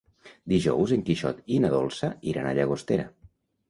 Dijous en Quixot i na Dolça iran a Llagostera.